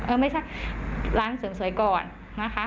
ไม่ใช่ร้านเสริมสวยก่อนนะคะ